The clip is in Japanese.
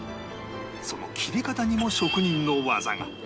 その切り方にも職人の技が